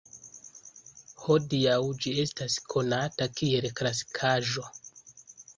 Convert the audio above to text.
Hodiaŭ ĝi estas konata kiel klasikaĵo.